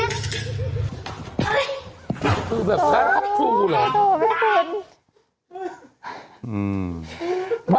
อ้าวอ้าวกูไม่น่ารีวิวเลยอุ๊ยอุ๊ยตายแล้วตายพังพังหมดแล้ว